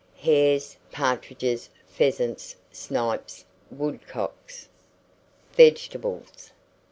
Hares, partridges, pheasants, snipes, woodcocks. VEGETABLES.